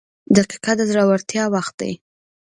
• دقیقه د زړورتیا وخت دی.